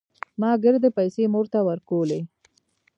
ما ګردې پيسې مور ته ورکولې.